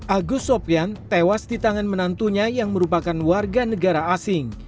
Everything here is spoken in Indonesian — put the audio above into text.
agus sopyan tewas di tangan menantunya yang merupakan warga negara asing